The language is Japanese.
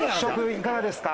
いかがですか？